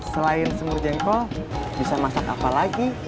selain semur jengkol bisa masak apa lagi